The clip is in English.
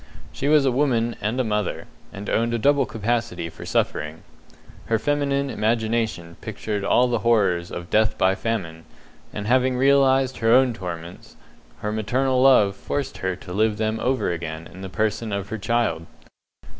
She was a woman and a mother, and owned a double capacity for suffering. Her feminine imagination pictured all the horrors of death by famine, and having realized her own torments, her maternal love forced her to live them over again in the person of her child.